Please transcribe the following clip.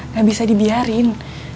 gak bisa dibiarin